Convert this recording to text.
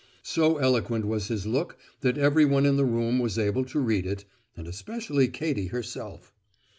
So eloquent was his look that everyone in the room was able to read it, and especially Katie herself.